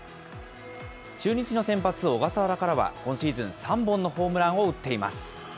中日の先発、小笠原からは今シーズン、３本のホームランを打っています。